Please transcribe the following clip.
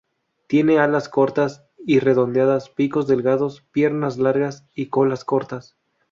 Tienen alas cortas y redondeadas, picos delgados, piernas largas, y colas cortas.